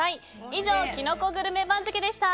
以上、キノコグルメ番付でした。